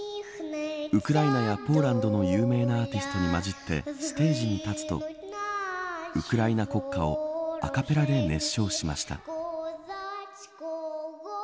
ウクライナやポーランドの有名なアーティストにまじってステージに立つとウクライナ国歌をアカペラで熱唱しました。